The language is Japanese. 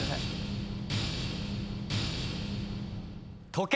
時計！